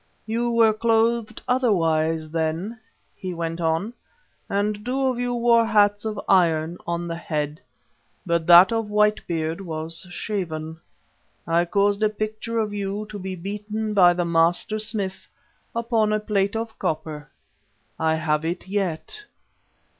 "You were clothed otherwise then," he went on, "and two of you wore hats of iron on the head, but that of White Beard was shaven. I caused a picture of you to be beaten by the master smith upon a plate of copper. I have it yet."